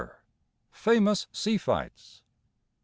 LXXVI. FAMOUS SEA FIGHTS.